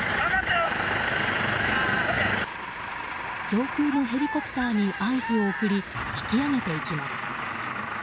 上空のヘリコプターに合図を送り引き上げていきます。